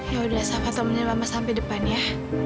yaudah sava temenin mama sampai depan ya